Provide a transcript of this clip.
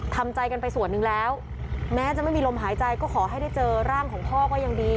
ทำใจกันไปส่วนหนึ่งแล้วแม้จะไม่มีลมหายใจก็ขอให้ได้เจอร่างของพ่อก็ยังดี